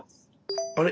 あれ？